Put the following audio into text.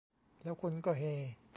แล้วคนก็เฮ